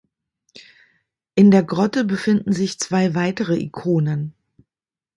In der Grotte befinden sich zwei weitere Ikonen.